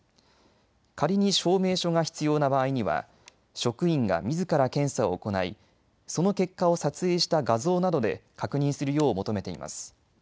仮に証明書が必要な場合には職員がみずから検査を行いその結果を撮影した画像などで確認するよう求めています。